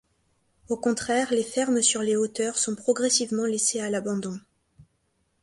Au contraire, les fermes sur les hauteurs sont progressivement laissées à l'abandon.